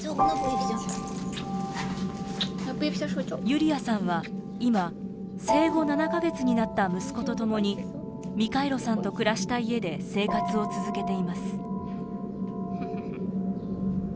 ユリアさんは今生後７か月になった息子とともにミカイロさんと暮らした家で生活を続けています。